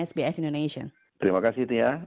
sbs indonesia terima kasih